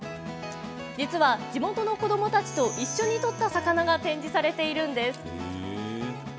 実は地元の子どもたちと一緒に取った魚が展示されているんです。